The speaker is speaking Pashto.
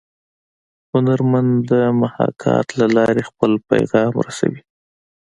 هنرمن د محاکات له لارې خپل پیام رسوي